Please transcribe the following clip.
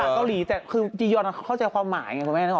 ข้าวจะเข้าใจความหมาย